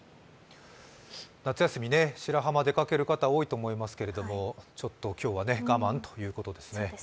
夏休み、白浜に出かける方も多いと思いますがちょっと今日は我慢ということですね。